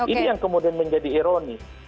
ini yang kemudian menjadi ironis